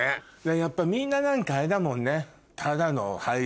やっぱみんな何かあれだもんね。